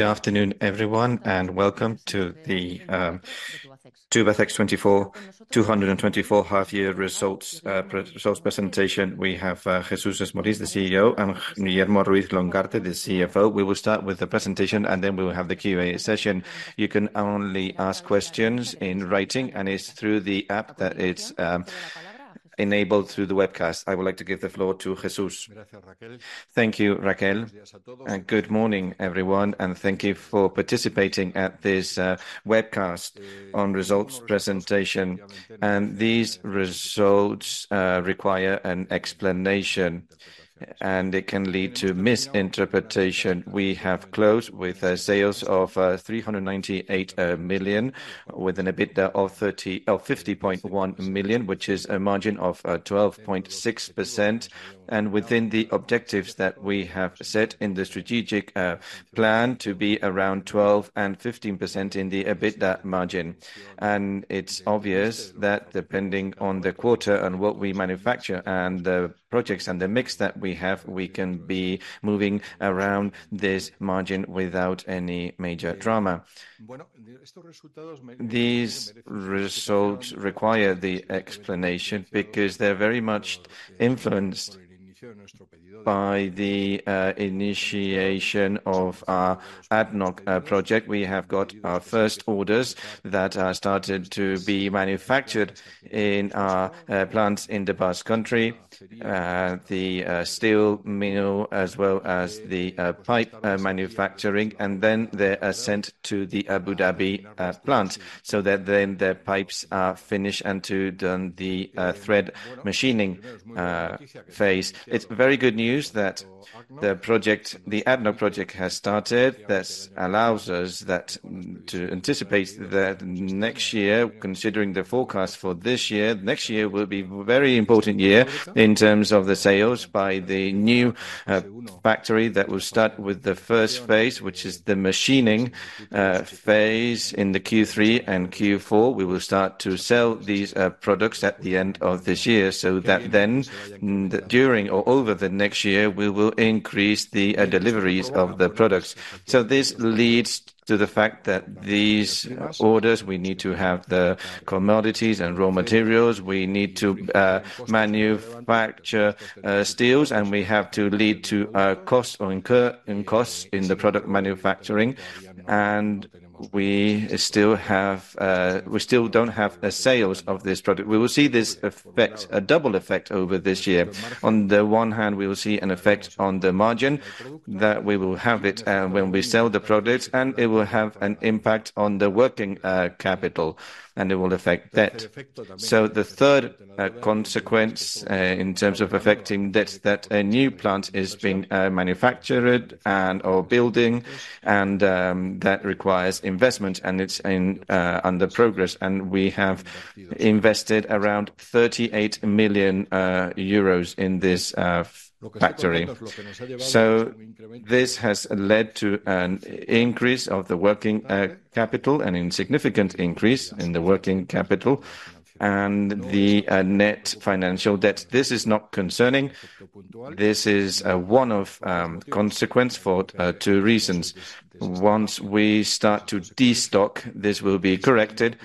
Good afternoon, everyone, and welcome to the Tubacex 2024 half-year results presentation. We have Jesús Esmorís, the CEO, and Guillermo Ruiz-Longarte, the CFO. We will start with the presentation, and then we will have the Q&A session. You can only ask questions in writing, and it's through the app that it's enabled through the webcast. I would like to give the floor to Jesús. Gracias, Raquel. Thank you, Raquel. Good morning, everyone, and thank you for participating at this webcast on results presentation. These results require an explanation, and it can lead to misinterpretation. We have closed with sales of 398 million, with an EBITDA of 50.1 million, which is a margin of 12.6%. Within the objectives that we have set in the strategic plan to be around 12%-15% in the EBITDA margin. It's obvious that, depending on the quarter and what we manufacture and the projects and the mix that we have, we can be moving around this margin without any major drama. Bueno, estos resultados. These results require the explanation because they're very much influenced by the initiation of our ADNOC project. We have got our first orders that are started to be manufactured in our plants in the Basque Country, the steel mill, as well as the pipe manufacturing, and then they are sent to the Abu Dhabi plant so that then the pipes are finished and to then the thread machining phase. It's very good news that the project, the ADNOC project, has started. That allows us that to anticipate that next year, considering the forecast for this year, next year will be a very important year in terms of the sales by the new factory that will start with the first phase, which is the machining phase in the Q3 and Q4. We will start to sell these products at the end of this year so that then during or over the next year, we will increase the deliveries of the products. So, this leads to the fact that these orders, we need to have the commodities and raw materials, we need to manufacture steels, and we have to lead to costs or incur in costs in the product manufacturing. And we still have, we still don't have sales of this product. We will see this effect, a double effect over this year. On the one hand, we will see an effect on the margin that we will have it when we sell the products, and it will have an impact on the working capital, and it will affect debt. So the third consequence in terms of affecting debt is that a new plant is being manufactured and/or building, and that requires investment, and it's under progress. And we have invested around 38 million euros in this factory. So this has led to an increase of the working capital and a significant increase in the working capital and the net financial debt. This is not concerning. This is one of consequence for two reasons. Once we start to destock, this will be corrected.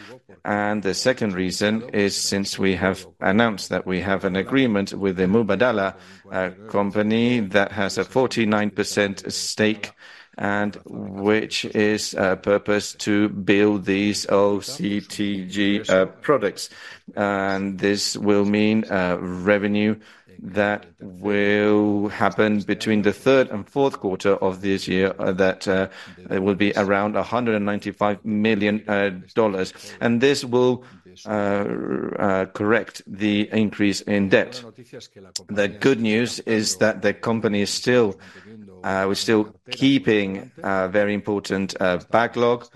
And the second reason is since we have announced that we have an agreement with the Mubadala company that has a 49% stake and which is purposed to build these OCTG products. And this will mean a revenue that will happen between the Q3 and Q4 of this year that it will be around $195 million. And this will correct the increase in debt. The good news is that the company is still, we're still keeping very important backlog,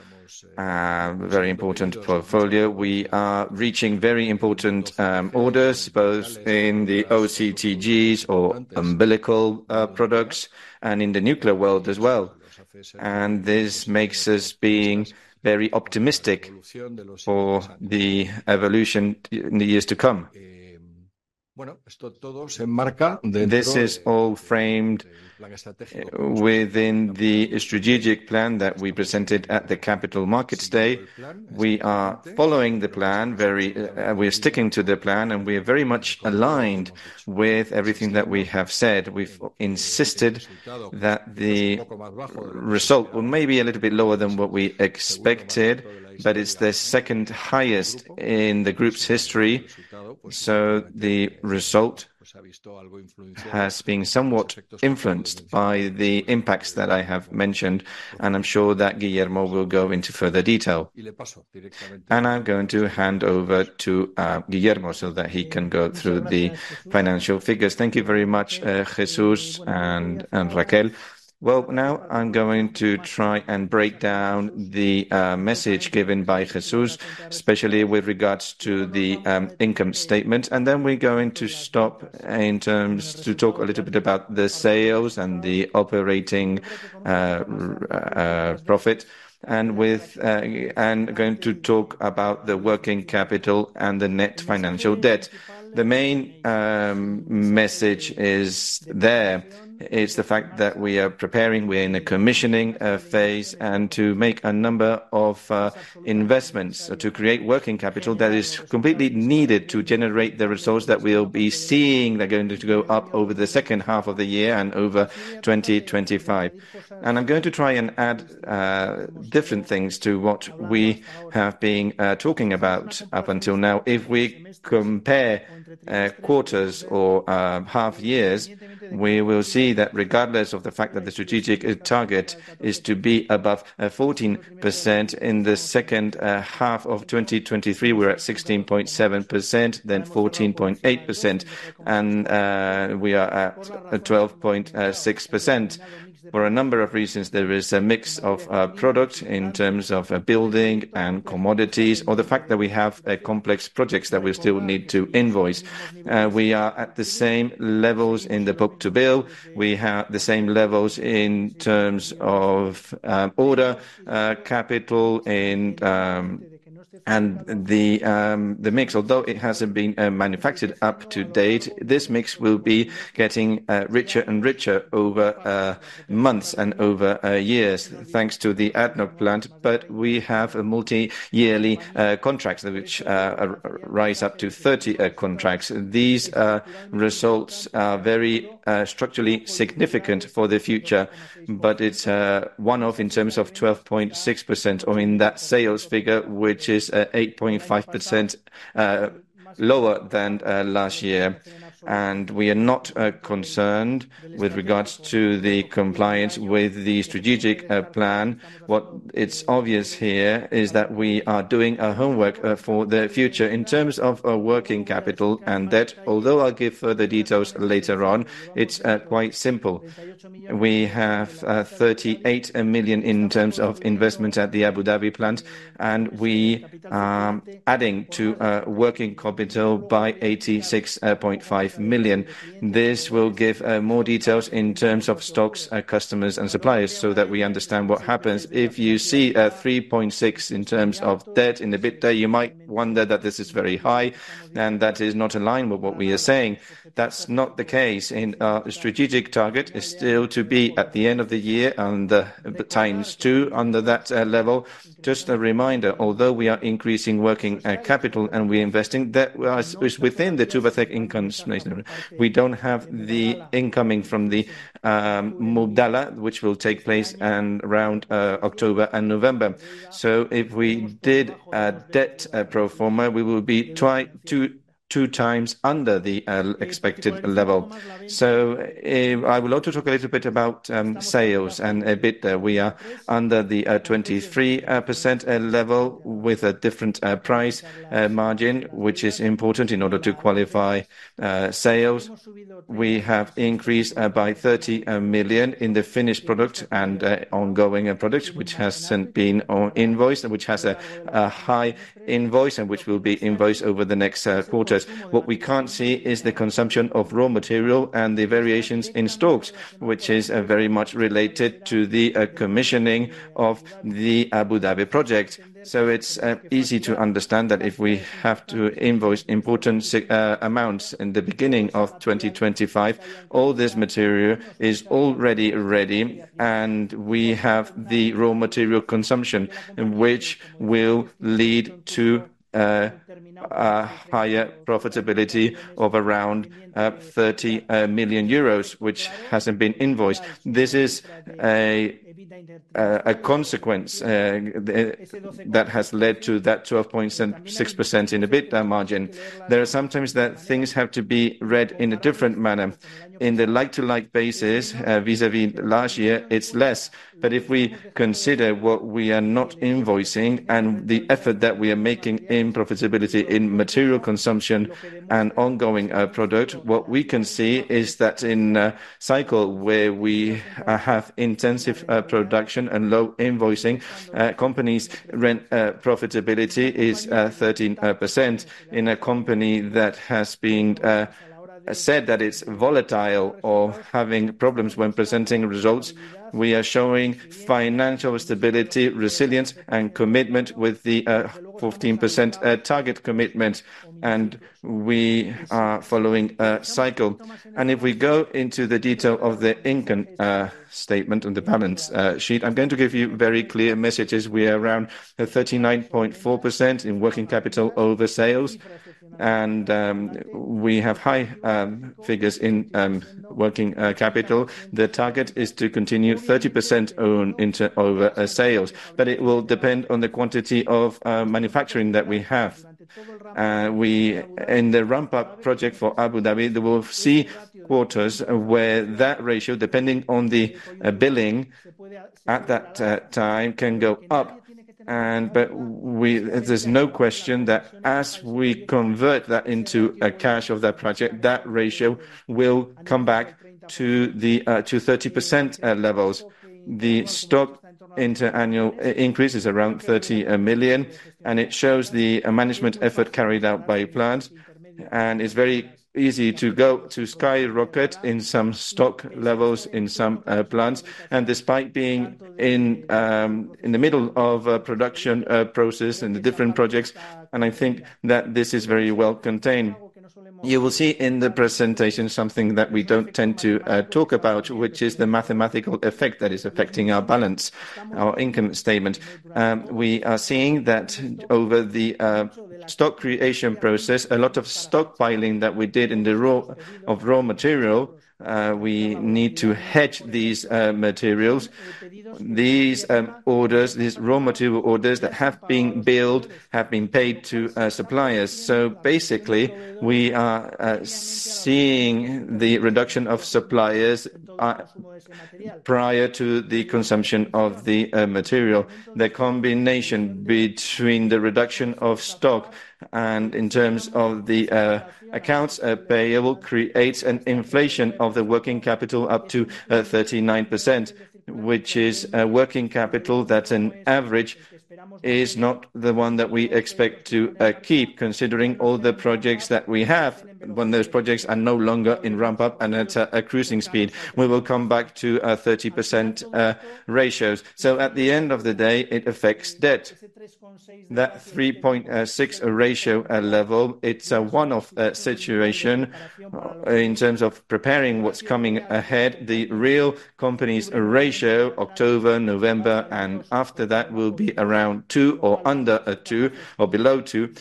very important portfolio. We are reaching very important orders, both in the OCTG or umbilical products and in the nuclear world as well. And this makes us being very optimistic for the evolution in the years to come. This is all framed within the strategic plan that we presented at the Capital Markets Day. We are following the plan very, we are sticking to the plan, and we are very much aligned with everything that we have said. We've insisted that the result will maybe a little bit lower than what we expected, but it's the second highest in the group's history. So the result has been somewhat influenced by the impacts that I have mentioned, and I'm sure that Guillermo will go into further detail. I'm going to hand over to Guillermo so that he can go through the financial figures. Thank you very much, Jesús and Raquel. Well, now I'm going to try and break down the message given by Jesús, especially with regards to the income statement. Then we're going to stop in terms to talk a little bit about the sales and the operating profit. And going to talk about the working capital and the net financial debt. The main message is there is the fact that we are preparing, we're in a commissioning phase, and to make a number of investments to create working capital that is completely needed to generate the results that we'll be seeing that are going to go up over the second half of the year and over 2025. I'm going to try and add different things to what we have been talking about up until now. If we compare quarters or half years, we will see that regardless of the fact that the strategic target is to be above 14% in the second half of 2023, we're at 16.7%, then 14.8%, and we are at 12.6%. For a number of reasons, there is a mix of product in terms of building and commodities, or the fact that we have complex projects that we still need to invoice. We are at the same levels in the book-to-bill. We have the same levels in terms of order capital and the mix. Although it hasn't been manufactured to date, this mix will be getting richer and richer over months and over years thanks to the ADNOC plant. But we have a multi-year contract, which arises up to 30 contracts. These results are very structurally significant for the future, but it's one-off in terms of 12.6% or in that sales figure, which is 8.5% lower than last year. We are not concerned with regards to the compliance with the strategic plan. What is obvious here is that we are doing our homework for the future in terms of working capital and debt. Although I'll give further details later on, it's quite simple. We have 38 million in terms of investment at the Abu Dhabi plant, and we are adding to working capital by 86.5 million. This will give more details in terms of stocks, customers, and suppliers so that we understand what happens. If you see a 3.6 in terms of debt in the EBITDA, you might wonder that this is very high and that is not in line with what we are saying. That's not the case. In our strategic target is still to be at the end of the year 2x under that level. Just a reminder, although we are increasing working capital and we're investing, that was within the Tubacex income statement. We don't have the incoming from the Mubadala, which will take place around October and November. So if we did a debt pro forma, we will be 2x under the expected level. So I would love to talk a little bit about sales and EBITDA. We are under the 23% level with a different price margin, which is important in order to qualify sales. We have increased by 30 million in the finished product and ongoing product, which hasn't been invoiced, which has a, a high invoice and which will be invoiced over the next quarters. What we can't see is the consumption of raw material and the variations in stocks, which is very much related to the commissioning of the Abu Dhabi project. So it's easy to understand that if we have to invoice important amounts in the beginning of 2025, all this material is already ready, and we have the raw material consumption, which will lead to a higher profitability of around, 30 million euros, which hasn't been invoiced. This is a, a consequence, that has led to that 12.6% in EBITDA margin. There are sometimes that things have to be read in a different manner. In the like-to-like basis, vis-à-vis last year, it's less. But if we consider what we are not invoicing and the effort that we are making in profitability in material consumption and ongoing product, what we can see is that in a cycle where we have intensive production and low invoicing, company's current profitability is 13%. In a company that has been said that it's volatile or having problems when presenting results, we are showing financial stability, resilience, and commitment with the 15% target commitment, and we are following a cycle. If we go into the detail of the income statement on the balance sheet, I'm going to give you very clear messages. We are around 39.4% in working capital over sales, and we have high figures in working capital. The target is to contain it to 30% over sales, but it will depend on the quantity of manufacturing that we have. We, in the ramp-up project for Abu Dhabi, we will see quarters where that ratio, depending on the billing at that time, can go up. But we, there's no question that as we convert that into a cash of that project, that ratio will come back to the, to 30% levels. The stock inter-annual increase is around 30 million, and it shows the management effort carried out by plants, and it's very easy to go to skyrocket in some stock levels in some plants. Despite being in the middle of a production process and the different projects, and I think that this is very well contained. You will see in the presentation something that we don't tend to talk about, which is the mathematical effect that is affecting our balance, our income statement. We are seeing that over the stock creation process, a lot of stockpiling that we did in the raw of raw material, we need to hedge these materials. These orders, these raw material orders that have been billed have been paid to suppliers. So basically, we are seeing the reduction of suppliers prior to the consumption of the material. The combination between the reduction of stock and in terms of the accounts payable creates an inflation of the working capital up to 39%, which is a working capital that in average is not the one that we expect to keep considering all the projects that we have. When those projects are no longer in ramp-up and at a cruising speed, we will come back to a 30% ratios. So at the end of the day, it affects debt. That 3.6 ratio level, it's a one-off situation in terms of preparing what's coming ahead. The real company's ratio, October, November, and after that, will be around two or under a two or below two.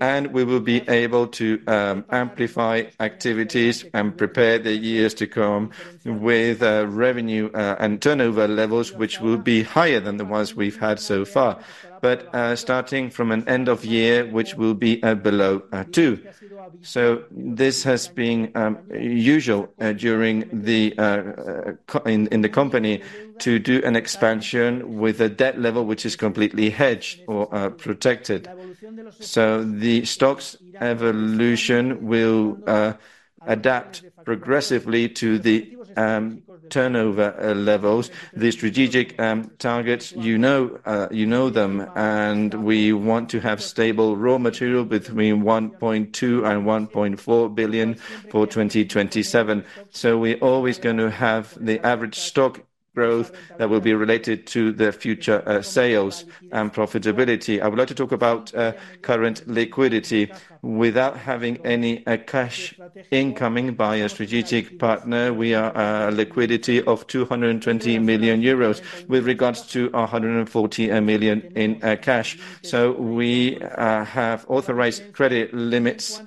And we will be able to amplify activities and prepare the years to come with revenue and turnover levels, which will be higher than the ones we've had so far. But starting from an end of year, which will be below two. So this has been usual during the in the company to do an expansion with a debt level which is completely hedged or protected. So the stocks evolution will adapt progressively to the turnover levels. The strategic targets, you know, you know them, and we want to have stable raw material between 1.2 billion and 1.4 billion for 2027. So we're always going to have the average stock growth that will be related to the future, sales and profitability. I would like to talk about current liquidity. Without having any cash incoming by a strategic partner, we are a liquidity of 220 million euros with regards to 140 million in cash. So we have authorized credit limits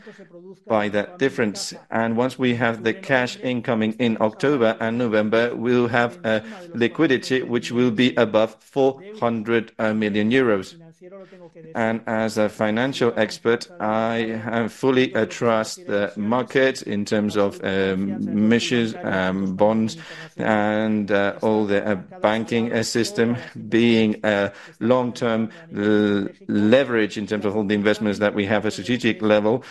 by that difference. And once we have the cash incoming in October and November, we'll have a liquidity which will be above 400 million euros. And as a financial expert, I fully trust the market in terms of missions and bonds and all the banking system being a long-term leverage in terms of all the investments that we have a strategic level.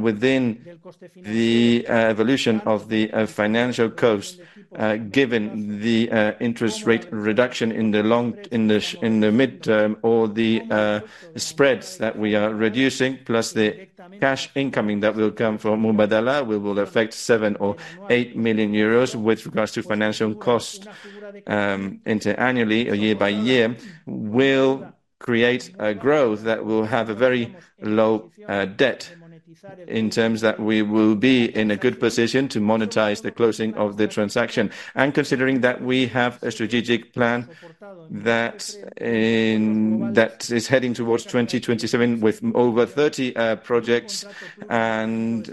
Within the evolution of the financial cost, given the interest rate reduction in the long-term or the midterm or the spreads that we are reducing, plus the cash incoming that will come from Mubadala will affect 7 million or 8 million with regards to financial cost, inter-annually, year-by-year, will create a growth that will have a very low debt in terms that we will be in a good position to monetize the closing of the transaction. Considering that we have a strategic plan that is heading towards 2027 with over 30 projects and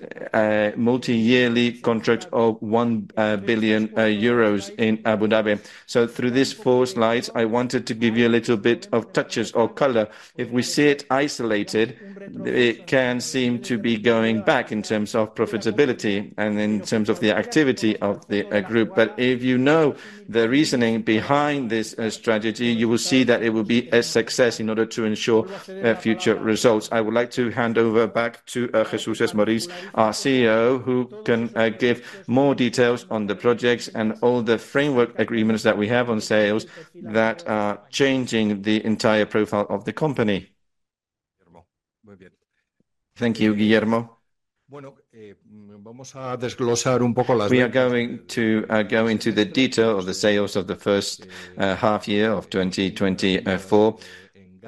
multi-yearly contract of 1 billion euros in Abu Dhabi. So through these four slides, I wanted to give you a little bit of touches or color. If we see it isolated, it can seem to be going back in terms of profitability and in terms of the activity of the group. But if you know the reasoning behind this strategy, you will see that it will be a success in order to ensure future results. I would like to hand over back to Jesús Esmorís, our CEO, who can give more details on the projects and all the framework agreements that we have on sales that are changing the entire profile of the company. Guillermo, muy bien. Thank you, Guillermo. Bueno, vamos a desglosar un poco los datos. We are going to go into the detail of the sales of the first half year of 2024.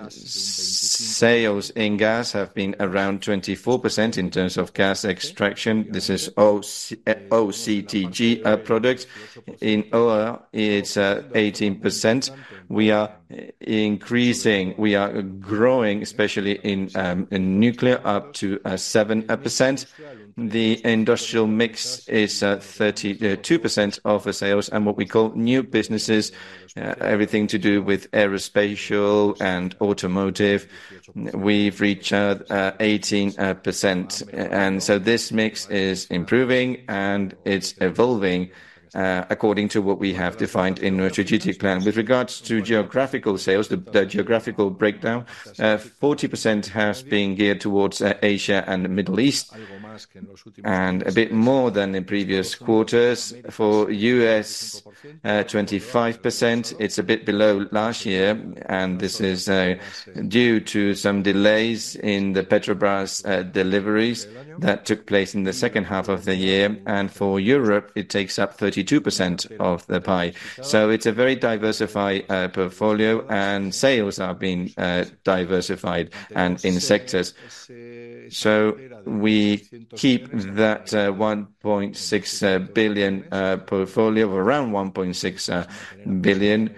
Sales in gas have been around 24% in terms of gas extraction. This is OCTG products. In oil, it's 18%. We are increasing, we are growing, especially in nuclear up to 7%. The industrial mix is 32% of the sales and what we call new businesses, everything to do with aerospace and automotive. We've reached 18%. And so this mix is improving and it's evolving, according to what we have defined in our strategic plan. With regards to geographical sales, the geographical breakdown, 40% has been geared towards Asia and the Middle East, and a bit more than in previous quarters. For U.S., 25%, it's a bit below last year, and this is due to some delays in the Petrobras deliveries that took place in the second half of the year. And for Europe, it takes up 32% of the pie. So it's a very diversified portfolio, and sales have been diversified and in sectors. So we keep that 1.6 billion portfolio of around 1.6 billion,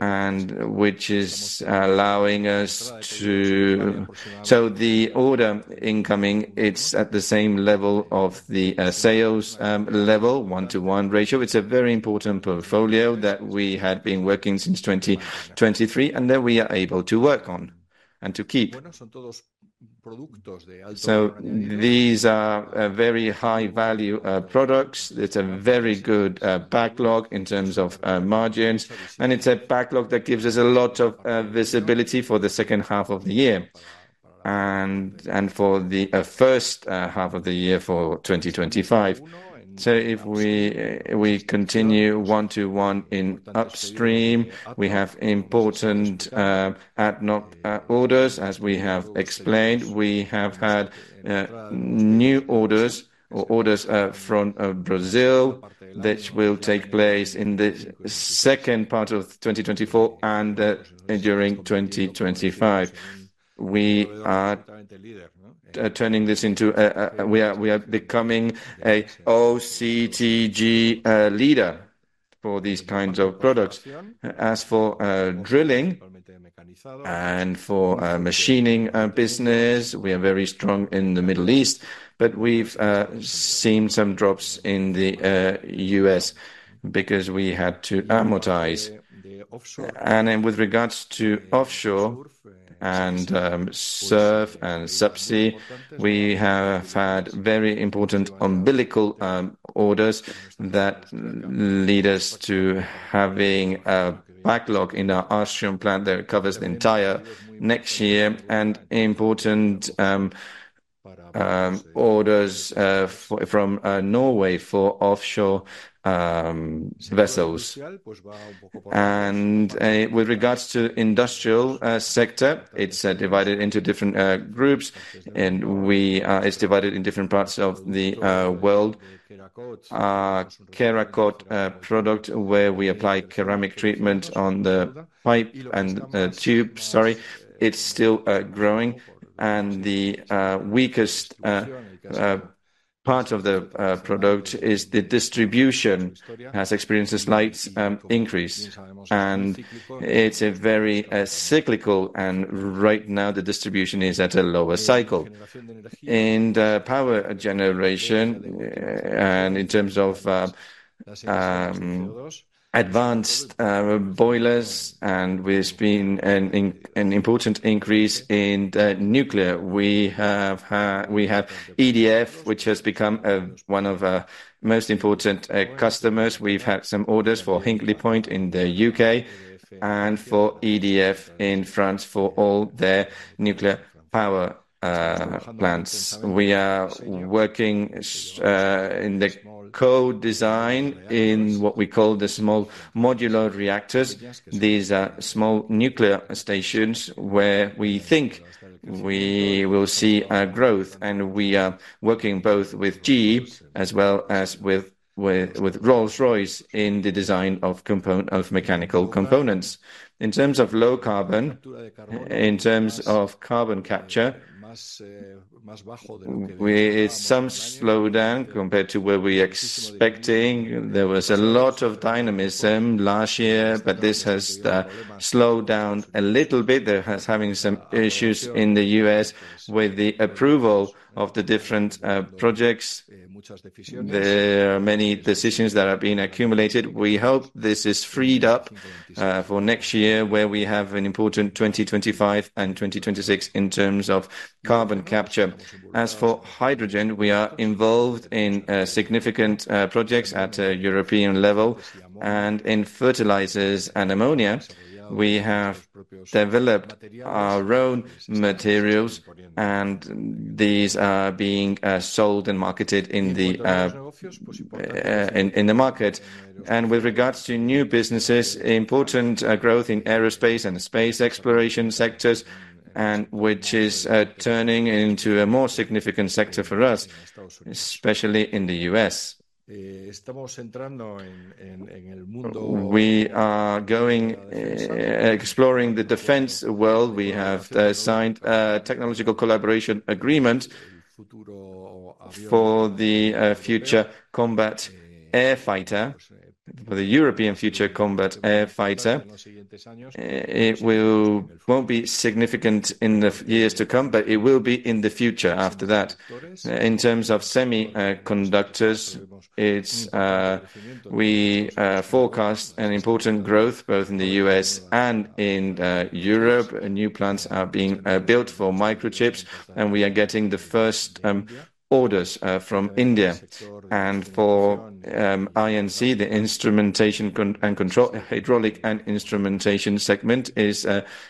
and which is allowing us to, so the order incoming, it's at the same level of the sales level, 1:1 ratio. It's a very important portfolio that we had been working since 2023 and that we are able to work on and to keep. So these are very high-value products. It's a very good backlog in terms of margins, and it's a backlog that gives us a lot of visibility for the second half of the year and, and for the first half of the year for 2025. So if we continue 1:1 in upstream, we have important ADNOC orders, as we have explained. We have had new orders or orders from Brazil that will take place in the second part of 2024 and during 2025. We are turning this into. We are becoming an OCTG leader for these kinds of products. As for drilling and machining business, we are very strong in the Middle East, but we've seen some drops in the U.S. because we had to amortize. And with regards to offshore and SURF and subsea, we have had very important umbilical orders that lead us to having a backlog in our Austrian plant that covers the entire next year and important orders from Norway for offshore vessels. And with regards to the industrial sector, it's divided into different groups, and it's divided in different parts of the world. Tubacoat product where we apply ceramic treatment on the pipe and tube, sorry, it's still growing. And the weakest part of the product is the distribution has experienced a slight increase, and it's a very cyclical. Right now, the distribution is at a lower cycle. In the power generation, in terms of advanced boilers, and there's been an important increase in the nuclear. We have, we have EDF, which has become one of our most important customers. We've had some orders for Hinkley Point in the U.K and for EDF in France for all their nuclear power plants. We are working in the co-design in what we call the Small Modular Reactors. These are small nuclear stations where we think we will see a growth, and we are working both with GE as well as with Rolls-Royce in the design of component of mechanical components. In terms of low carbon, in terms of carbon capture, it's some slowdown compared to where we expecting. There was a lot of dynamism last year, but this has slowed down a little bit. There has been some issues in the U.S. with the approval of the different projects. There are many decisions that have been accumulated. We hope this is freed up for next year where we have an important 2025 and 2026 in terms of carbon capture. As for hydrogen, we are involved in significant projects at a European level, and in fertilizers and ammonia, we have developed our own materials, and these are being sold and marketed in the market. And with regards to new businesses, important growth in aerospace and space exploration sectors, and which is turning into a more significant sector for us, especially in the U.S. We are going exploring the defense world. We have signed a technological collaboration agreement for the Future Combat Air System, for the European Future Combat Air System. It won't be significant in the years to come, but it will be in the future after that. In terms of semiconductors, it's we forecast an important growth both in the U.S. and in Europe. New plants are being built for microchips, and we are getting the first orders from India. For I&C, the instrumentation and control hydraulic and instrumentation segment is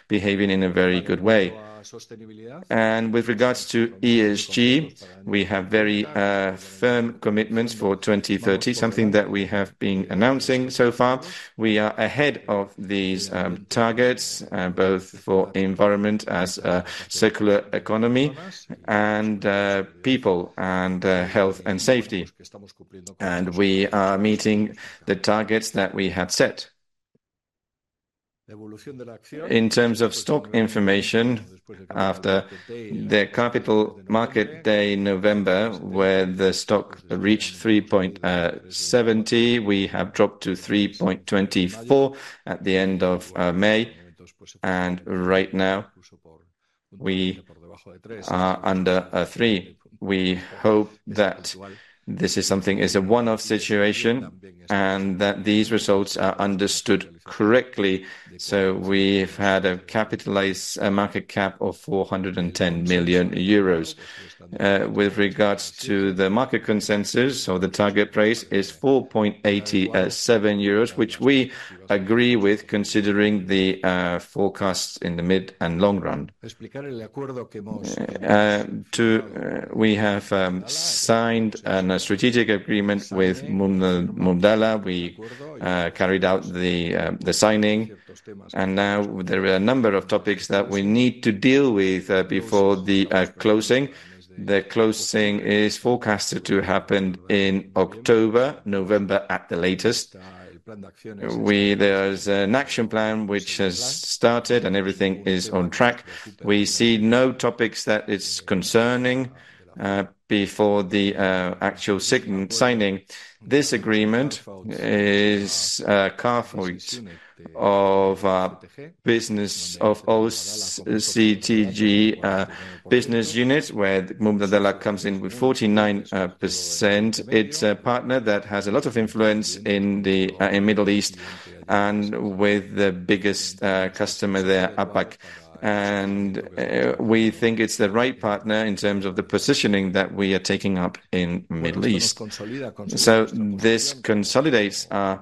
behaving in a very good way. With regards to ESG, we have very firm commitments for 2030, something that we have been announcing so far. We are ahead of these targets, both for environment as a circular economy and people and health and safety. We are meeting the targets that we had set. In terms of stock information, after the capital market day in November, where the stock reached 3.70, we have dropped to 3.24 at the end of May. Right now, we are under three. We hope that this is something is a one-off situation and that these results are understood correctly. So we've had a capitalized market cap of 410 million euros. With regards to the market consensus, so the target price is 4.87 euros, which we agree with considering the forecasts in the mid and long run. We have signed a strategic agreement with Mubadala. We carried out the signing, and now there are a number of topics that we need to deal with before the closing. The closing is forecasted to happen in October, November at the latest. There is an action plan which has started, and everything is on track. We see no topics that it's concerning before the actual signing. This agreement is a carve-out of business of OCTG business units where Mubadala comes in with 49%. It's a partner that has a lot of influence in the Middle East and with the biggest customer there, ADNOC. We think it's the right partner in terms of the positioning that we are taking up in the Middle East. This consolidates our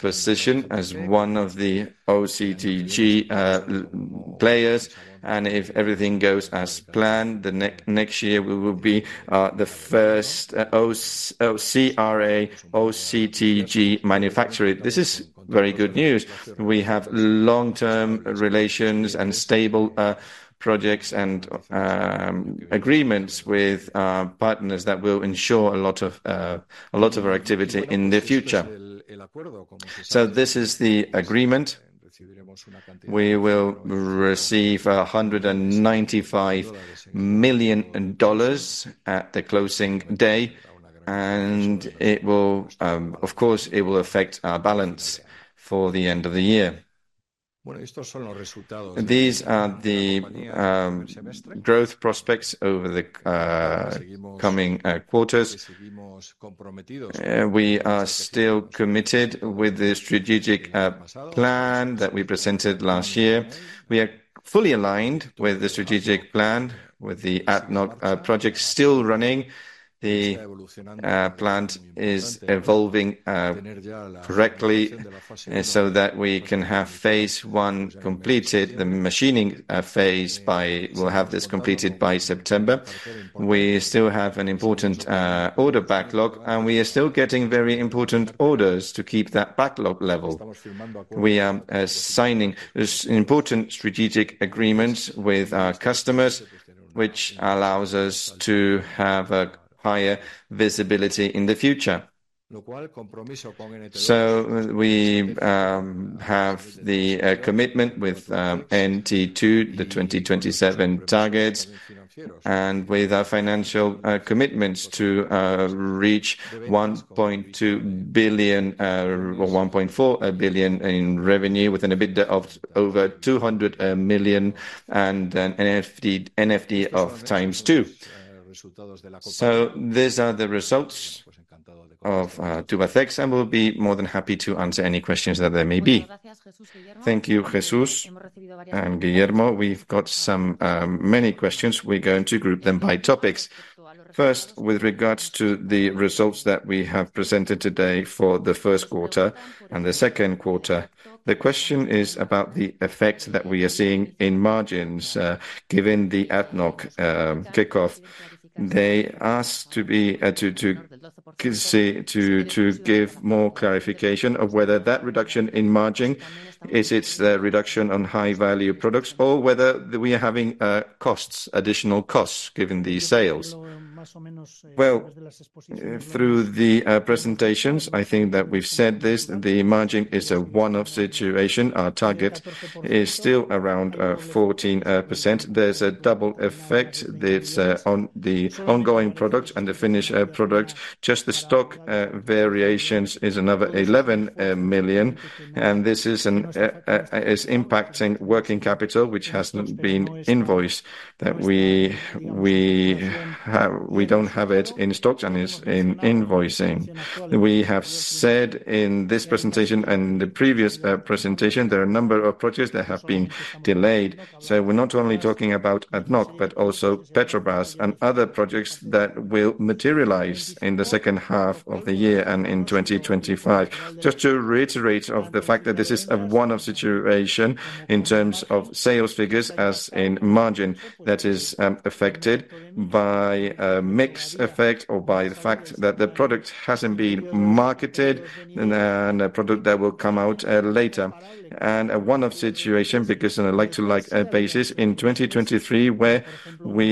position as one of the OCTG players. If everything goes as planned, next year we will be the first OCTG manufacturer. This is very good news. We have long-term relations and stable projects and agreements with partners that will ensure a lot of our activity in the future. This is the agreement. We will receive $195 million at the closing day, and it will, of course, affect our balance for the end of the year. These are the growth prospects over the coming quarters. We are still committed with the strategic plan that we presented last year. We are fully aligned with the strategic plan with the ADNOC project still running. The plant is evolving correctly so that we can have phase one completed, the machining phase by; we'll have this completed by September. We still have an important order backlog, and we are still getting very important orders to keep that backlog level. We are signing important strategic agreements with our customers, which allows us to have a higher visibility in the future. So, we have the commitment with NTS, the 2027 targets, and with our financial commitments to reach 1.2 billion or 1.4 billion in revenue with an EBITDA of over 200 million and an NFD of times two. So these are the results of Tubacex, and we'll be more than happy to answer any questions that there may be. Thank you, Jesús. And Guillermo, we've got some many questions. We're going to group them by topics. First, with regards to the results that we have presented today for the Q1 and the Q2, the question is about the effect that we are seeing in margins, given the ADNOC kickoff. They ask to give more clarification of whether that reduction in margin is its reduction on high-value products or whether we are having costs, additional costs given these sales. Well, through the presentations, I think that we've said this, the margin is a one-off situation. Our target is still around 14%. There's a double effect. It's on the ongoing products and the finished products. Just the stock variations is another 11 million, and this is an, is impacting working capital, which hasn't been invoiced that we, we have, we don't have it in stocks and it's in invoicing. We have said in this presentation and the previous presentation, there are a number of projects that have been delayed. So we're not only talking about ADNOC, but also Petrobras and other projects that will materialize in the second half of the year and in 2025. Just to reiterate the fact that this is a one-off situation in terms of sales figures as in margin that is, affected by a mixed effect or by the fact that the product hasn't been marketed and a product that will come out, later. A one-off situation because on a like-to-like basis in 2023 where we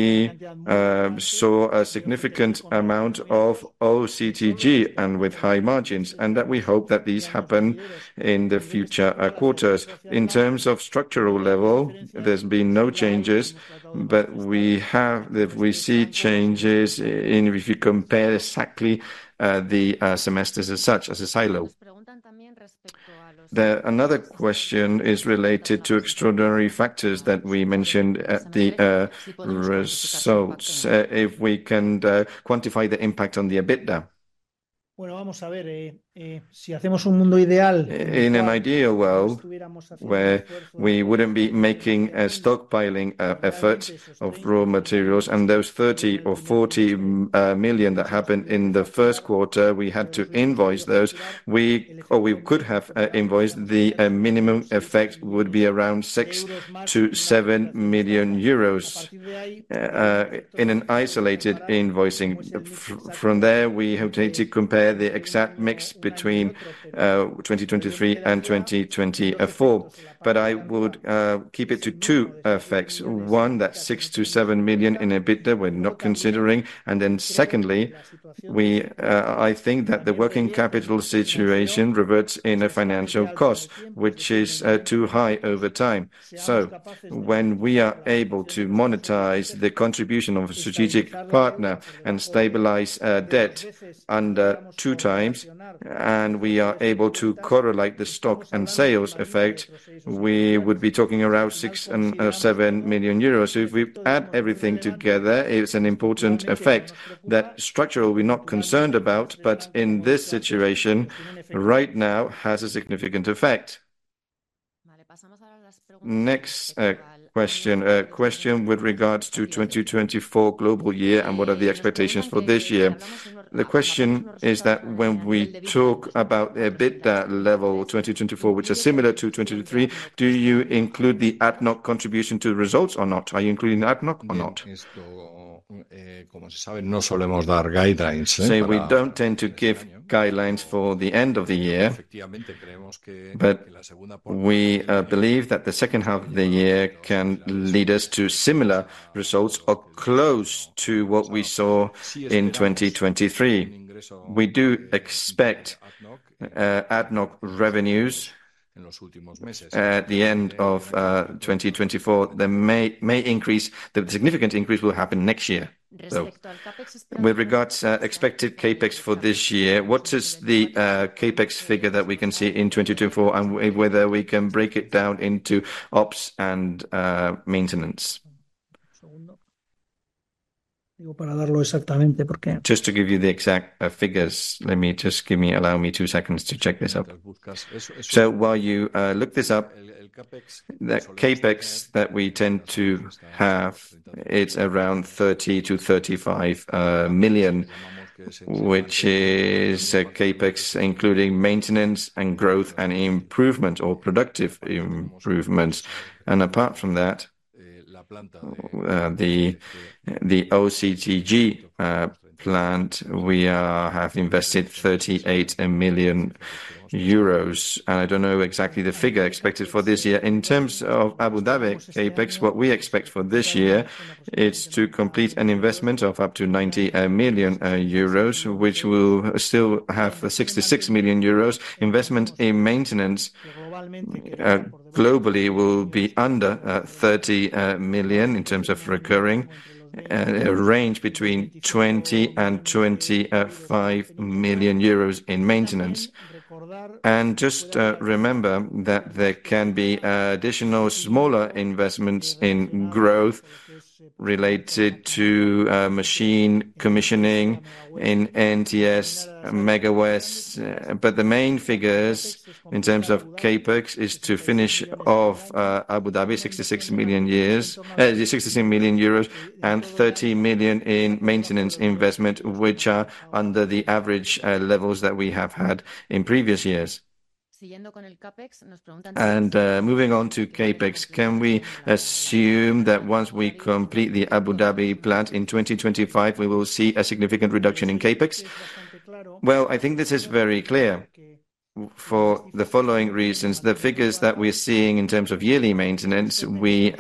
saw a significant amount of OCTG and with high margins and that we hope that these happen in the future quarters. In terms of structural level, there's been no changes, but we see changes if you compare exactly the semesters as such as a silo. There's another question related to extraordinary factors that we mentioned at the results, if we can quantify the impact on the EBITDA. In an ideal world, where we wouldn't be making a stockpiling effort of raw materials and those 30 million or 40 million that happened in the Q1, we had to invoice those, or we could have invoiced; the minimum effect would be around 6 million-7 million euros in an isolated invoicing. From there, we hope to compare the exact mix between 2023 and 2024. But I would keep it to two effects. One, that 6 million-7 million in EBITDA we're not considering. And then secondly, we, I think that the working capital situation reverts in a financial cost, which is too high over time. So when we are able to monetize the contribution of a strategic partner and stabilize debt under 2x, and we are able to correlate the stock and sales effect, we would be talking around 6 million-7 million euros. So, if we add everything together, it's an important effect that structural we're not concerned about, but in this situation right now has a significant effect. Next question, a question with regards to 2024 global year and what are the expectations for this year. The question is that when we talk about EBITDA level 2024, which is similar to 2023, do you include the ADNOC contribution to the results or not? Are you including the ADNOC or not? So we don't tend to give guidelines for the end of the year, but we believe that the second half of the year can lead us to similar results or close to what we saw in 2023. We do expect ADNOC revenues at the end of 2024. There may increase. The significant increase will happen next year. With regards to expected CapEx for this year, what is the CapEx figure that we can see in 2024 and whether we can break it down into ops and maintenance? Just to give you the exact figures, let me just allow me two seconds to check this up. So while you look this up, the CapEx that we tend to have, it's around EUR 30million-35 million, which is a CapEx including maintenance and growth and improvement or productive improvements. Apart from that, the OCTG plant, we have invested 38 million euros, and I don't know exactly the figure expected for this year. In terms of Abu Dhabi CapEx, what we expect for this year is to complete an investment of up to 90 million euros, which will still have 66 million euros. Investment in maintenance globally will be under 30 million in terms of recurring, range between EUR 20million-25 million in maintenance. `Remember that there can be additional smaller investments in growth related to machine commissioning in NTS, Amega West, but the main figures in terms of CapEx is to finish off Abu Dhabi, 66 million in 2024, 66 million euros and 30 million in maintenance investment, which are under the average levels that we have had in previous years. Moving on to CapEx, can we assume that once we complete the Abu Dhabi plant in 2025, we will see a significant reduction in CapEx? Well, I think this is very clear for the following reasons. The figures that we're seeing in terms of yearly maintenance, we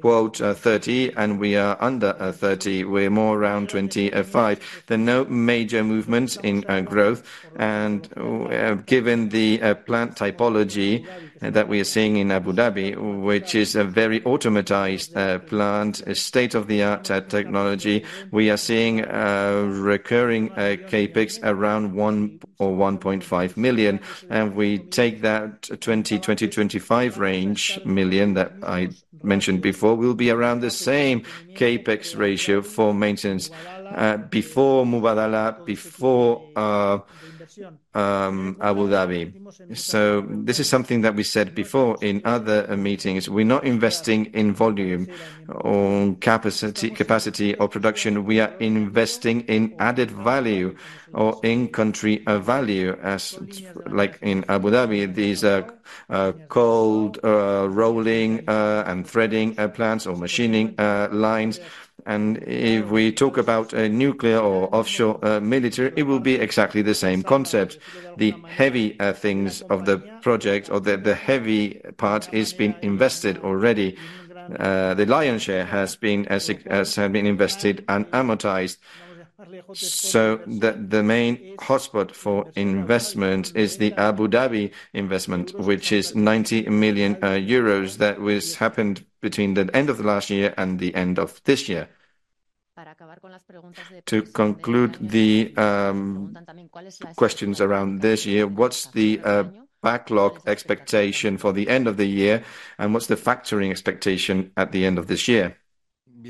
quote 30 and we are under a 30. We're more around 25. There are no major movements in growth. Given the plant typology that we are seeing in Abu Dhabi, which is a very automatized plant, state-of-the-art technology, we are seeing recurring CapEx around 1 million or 1.5 million. We take that 2020-2025 range million that I mentioned before will be around the same CapEx ratio for maintenance, before Mubadala, before Abu Dhabi. So this is something that we said before in other meetings. We're not investing in volume or capacity or production. We are investing in added value or in country of value, as like in Abu Dhabi, these cold rolling and threading plants or machining lines. And if we talk about a nuclear or offshore military, it will be exactly the same concept. The heavy things of the project or the heavy part has been invested already. The lion's share has been invested and amortized. So that the main hotspot for investment is the Abu Dhabi investment, which is 90 million euros that was happened between the end of the last year and the end of this year. To conclude the questions around this year, what's the backlog expectation for the end of the year and what's the factoring expectation at the end of this year? For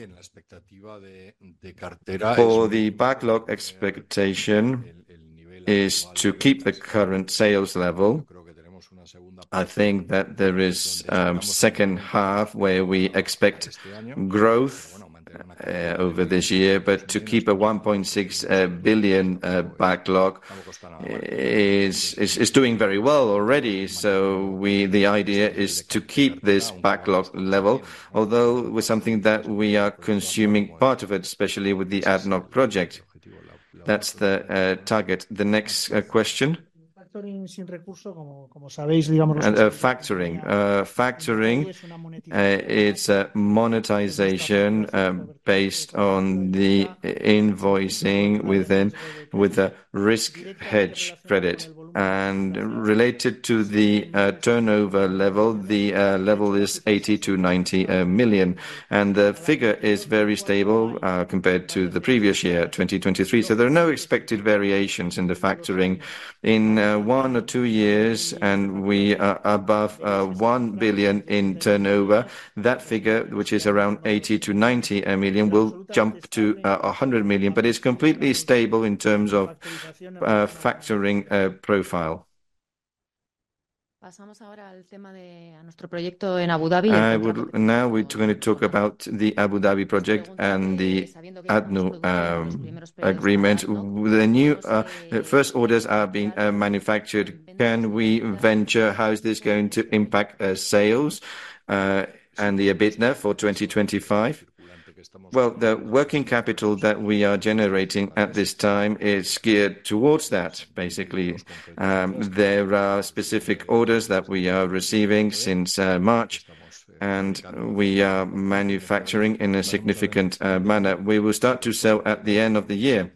the backlog expectation is to keep the current sales level. I think that there is second half where we expect growth over this year, but to keep a 1.6 billion backlog is doing very well already. So we the idea is to keep this backlog level, although with something that we are consuming part of it, especially with the ADNOC project. That's the target. The next question? Factoring, it's a monetization based on the invoicing within with a risk hedge credit. And related to the turnover level, the level is 80 million-90 million. And the figure is very stable, compared to the previous year, 2023. So there are no expected variations in the factoring. In one or two years, and we are above 1 billion in turnover, that figure, which is around 80 million-90 million, will jump to 100 million, but it's completely stable in terms of factoring profile. I would now, we're going to talk about the Abu Dhabi project and the ADNOC agreement. The new first orders are being manufactured. Can we venture, how is this going to impact sales, and the EBITDA for 2025? Well, the working capital that we are generating at this time is geared towards that, basically. There are specific orders that we are receiving since March, and we are manufacturing in a significant manner. We will start to sell at the end of the year.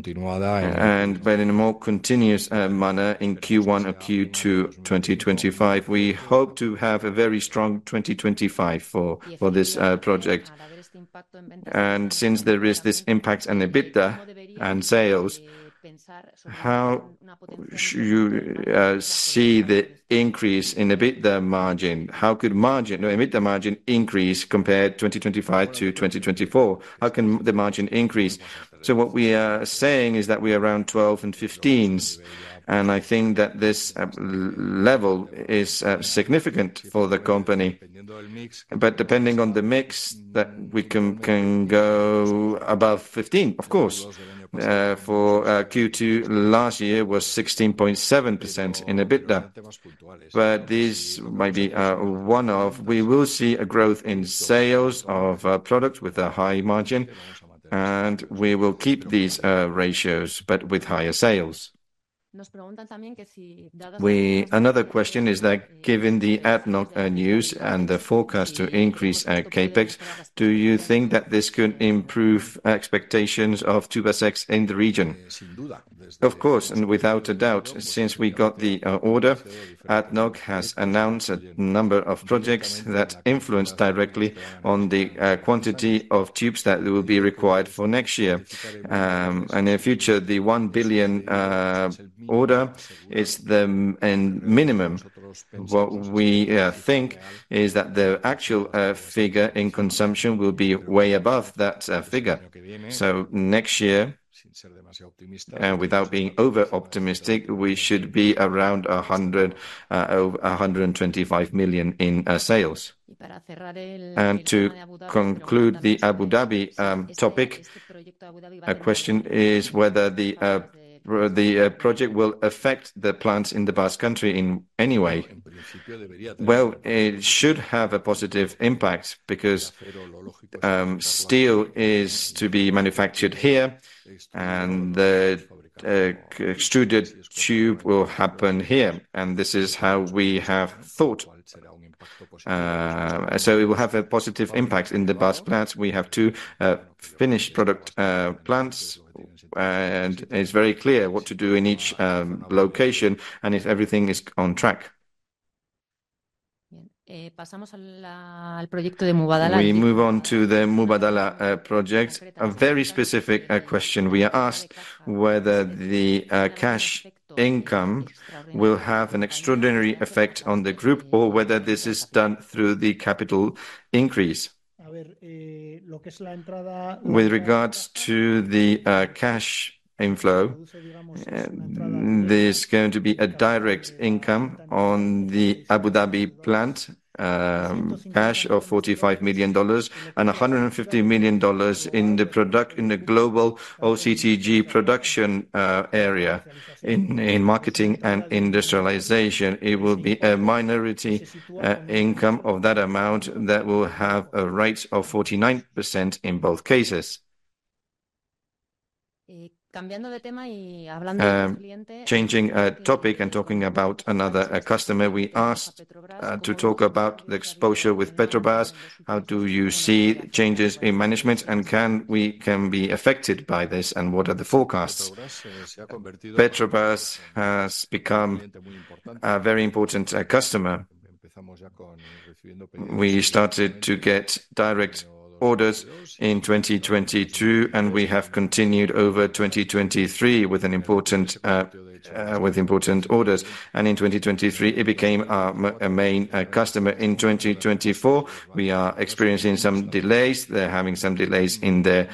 But in a more continuous manner in Q1 or Q2 2025, we hope to have a very strong 2025 for this project. And since there is this impact on EBITDA and sales, how should you see the increase in EBITDA margin? How could margin, EBITDA margin increase compared to 2025 to 2024? How can the margin increase? So what we are saying is that we are around 12 and 15s, and I think that this level is significant for the company. But depending on the mix that we can go above 15, of course. For Q2 last year was 16.7% in EBITDA. But these might be one of; we will see a growth in sales of products with a high margin, and we will keep these ratios but with higher sales. Another question is that given the ADNOC news and the forecast to increase CapEx, do you think that this could improve expectations of Tubacex in the region? Of course, and without a doubt, since we got the order, ADNOC has announced a number of projects that influence directly on the quantity of tubes that will be required for next year and in the future, the $1 billion order is the minimum. What we think is that the actual figure in consumption will be way above that figure. So next year, without being over-optimistic, we should be around 100 million-125 million in sales. And to conclude the Abu Dhabi topic, a question is whether the project will affect the plants in the Basque Country in any way. Well, it should have a positive impact because steel is to be manufactured here and the extruded tube will happen here. This is how we have thought. So it will have a positive impact in the Basque plants. We have two finished product plants, and it's very clear what to do in each location and if everything is on track. We move on to the Mubadala project. A very specific question we are asked whether the cash income will have an extraordinary effect on the group or whether this is done through the capital increase. With regards to the cash inflow, there's going to be a direct income on the Abu Dhabi plant, cash of $45 million and $150 million in the product in the global OCTG production area. In marketing and industrialization, it will be a minority income of that amount that will have a rate of 49% in both cases. Changing a topic and talking about another customer, we asked to talk about the exposure with Petrobras. How do you see changes in management and can we be affected by this and what are the forecasts? Petrobras has become a very important customer. We started to get direct orders in 2022 and we have continued over 2023 with important orders. In 2023, it became a main customer. In 2024, we are experiencing some delays. They're having some delays in their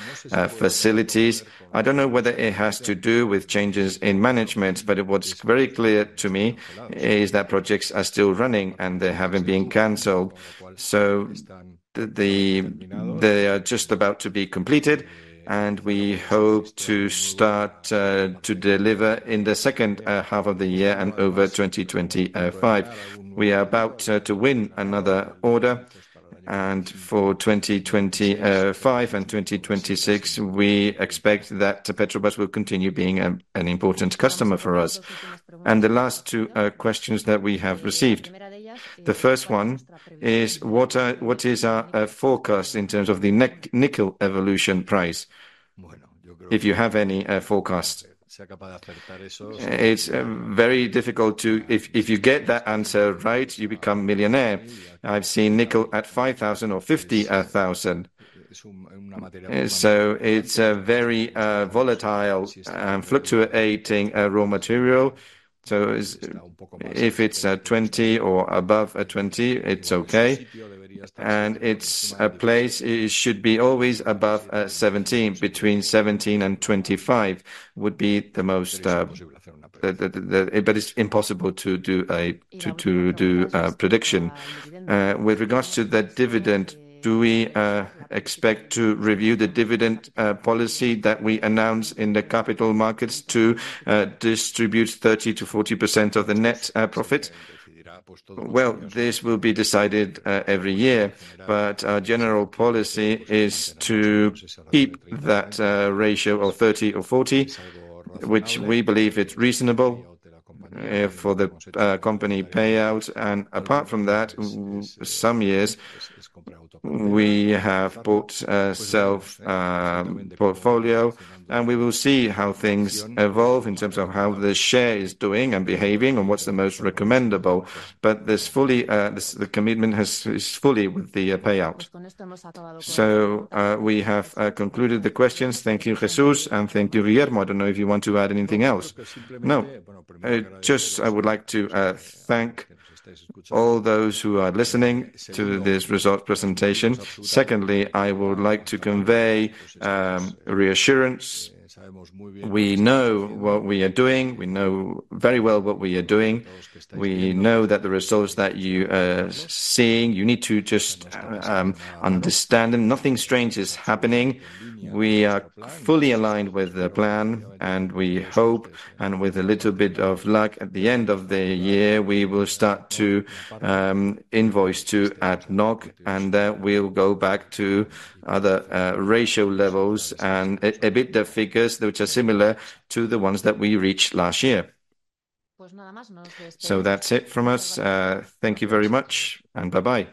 facilities. I don't know whether it has to do with changes in management, but what's very clear to me is that projects are still running and they haven't been canceled. They are just about to be completed and we hope to start to deliver in the second half of the year and over 2025. We are about to win another order and for 2025 and 2026, we expect that Petrobras will continue being an important customer for us. And the last two questions that we have received. The first one is what is our forecast in terms of the nickel evolution price? If you have any forecast, it's very difficult to, if you get that answer right, you become millionaire. I've seen nickel at 5,000 or 50,000. So, it's a very volatile and fluctuating raw material. So if it's a 20 or above a 20, it's okay. And it's a place it should be always above 17, between 17 and 25 would be the most, but it's impossible to do a, to do a prediction. With regards to the dividend, do we expect to review the dividend policy that we announced in the capital markets to distribute 30%-40% of the net profits? Well, this will be decided every year, but our general policy is to keep that ratio of 30 or 40, which we believe is reasonable for the company payouts. And apart from that, some years we have bought back shares, and we will see how things evolve in terms of how the share is doing and behaving and what's the most recommendable. But the full commitment is fully with the payout. So, we have concluded the questions. Thank you, Jesús, and thank you, Guillermo. I don't know if you want to add anything else. No, just I would like to thank all those who are listening to this results presentation. Secondly, I would like to convey reassurance. We know what we are doing. We know very well what we are doing. We know that the results that you are seeing, you need to just understand them. Nothing strange is happening. We are fully aligned with the plan and we hope, and with a little bit of luck at the end of the year, we will start to, invoice to ADNOC and that we'll go back to other, ratio levels and EBITDA figures which are similar to the ones that we reached last year. So that's it from us. Thank you very much and bye-bye.